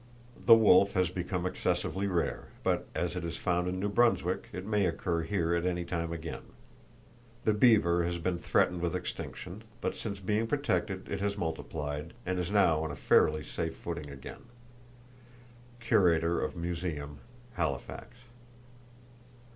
The wolf has become excessively rare, but as it is found in New Brunswick, it may occur here at any time again. The beaver had been threatened with extinction; but since being protected, it has multiplied, and is now on a fairly safe footing again.—(Curator of Museum, Halifax.)